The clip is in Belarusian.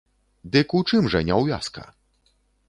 Дык у чым жа няўвязка?